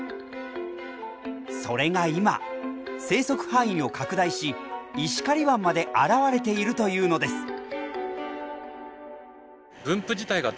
それが今生息範囲を拡大し石狩湾まで現れているというのです。